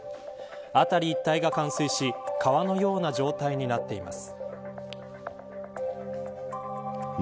辺り一帯が冠水し川のような状態になっています。